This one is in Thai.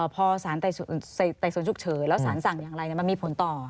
พอสารไต่สวนฉุกเฉินแล้วสารสั่งอย่างไรมันมีผลต่อ